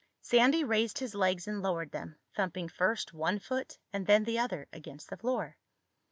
Sandy raised his legs and lowered them, thumping first one foot and then the other against the floor.